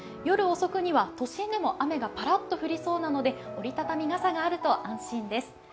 夜遅くには都心でも雨がぱらっと降りそうなので、折りたたみ傘があると安心です。